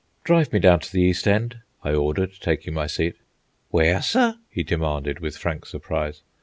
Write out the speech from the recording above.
"Drive me down to the East End," I ordered, taking my seat. "Where, sir?" he demanded with frank surprise.